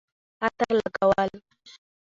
عطر لګول